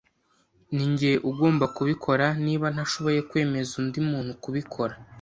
Ninjye ugomba kubikora niba ntashobora kwemeza undi muntu kubikora.